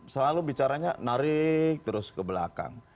selalu bicaranya narik terus ke belakang